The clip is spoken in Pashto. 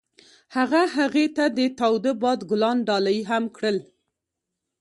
هغه هغې ته د تاوده باد ګلان ډالۍ هم کړل.